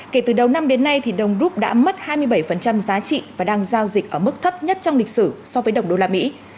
kể từ đầu năm đến nay thì đồng rút đã mất hai mươi bảy giá trị và đang giao dịch ở mức thấp nhất trong lịch sử so với đồng đô la mỹ